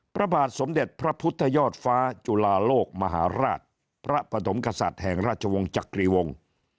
พระบาทสมเด็จพระพุทธยอดฟ้าจุลาโลกมหาราชพระปฐมกษัตริย์แห่งราชวงศ์จักรีวงศ์